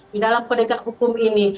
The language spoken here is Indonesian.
di dalam penegak hukum ini